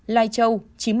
lai châu chín mươi một